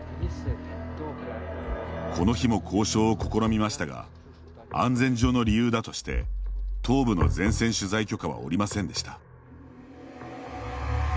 この日も交渉を試みましたが安全上の理由だとして東部の前線の取材許可は下りませんでした。